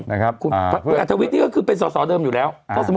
ักกล้าคุณอาธวิทย์อาทวิทย์เป็นสอดเดิมอยู่แล้ว